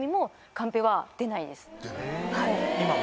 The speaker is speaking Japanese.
今も？